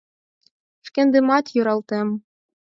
Шкендымат йӧралтем.